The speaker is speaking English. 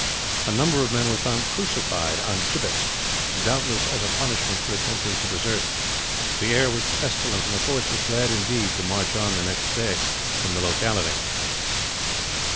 A number of men were found crucified on gibbets, doubtless as a punishment for attempting to desert. The air was pestilent; and the force was glad, indeed, to march on the next morning from the locality.